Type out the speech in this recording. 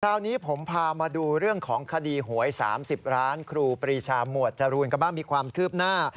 คราวนี้ผมพามาดูเรื่องของคดีหวย๓๐ล้านครูปรีชาหมวดจรูนกันบ้างมีความคืบหน้า